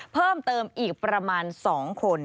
เพิ่มเติมอีกประมาณ๒คน